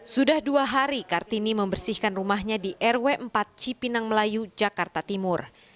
sudah dua hari kartini membersihkan rumahnya di rw empat cipinang melayu jakarta timur